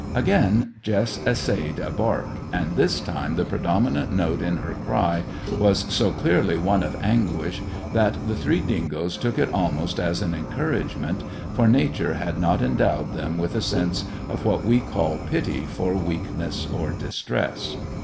Again Jess essayed a bark; and this time the predominant note in her cry was so clearly one of anguish that the three dingoes took it almost as an encouragement, for Nature had not endowed them with a sense of what we call pity for weakness or distress.